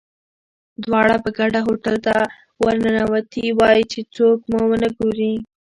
دواړه په ګډه هوټل ته ورننوتي وای، چې څوک مو ونه ګوري.